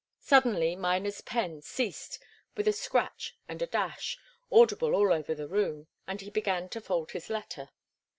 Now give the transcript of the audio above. Suddenly Miner's pen ceased with a scratch and a dash, audible all over the room, and he began to fold his letter.